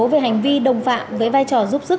về hành vi đồng phạm với vai trò giúp sức